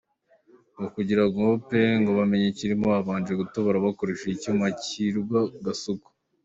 No kugira ngp bamenye ikirimo babanje kutobora bakoresheje icyuma cyirwa Gasuku”.